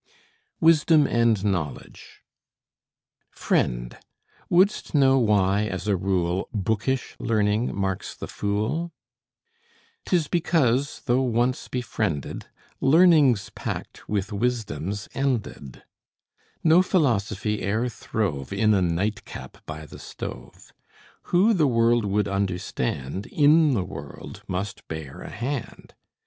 WISDOM AND KNOWLEDGE Friend, wouldst know why as a rule Bookish learning marks the fool? 'Tis because, though once befriended, Learning's pact with wisdom's ended. No philosophy e'er throve In a nightcap by the stove. Who the world would understand In the world must bear a hand.